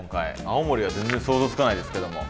青森は全然想像つかないですけども。